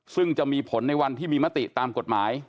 ซึ่งจะมีผลในวันที่มีมติตามกฎหมาย